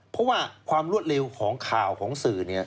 เพราะว่าความรวดเร็วของข่าวของสื่อ